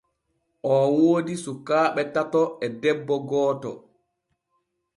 Oo woodi sukaaɓe tato e debbo gooto.